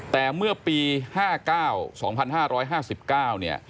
แต่เมื่อปีห้าเก้าสองพันห้าร้อยห้าสิบเก้าเนี่ย